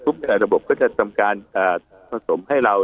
สรุปในระบบก็จะก็ทำการผสมให้เรา